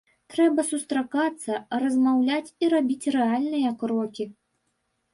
Трэба сустракацца, размаўляць і рабіць рэальныя крокі.